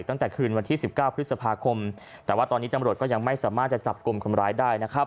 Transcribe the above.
ตั้งแต่คืนวันที่๑๙พฤษภาคมแต่ว่าตอนนี้ตำรวจก็ยังไม่สามารถจะจับกลุ่มคนร้ายได้นะครับ